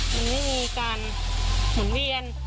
มันไม่มีการหมุนเวียน